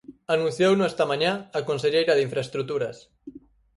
Anunciouno esta mañá a conselleira de Infraestruturas.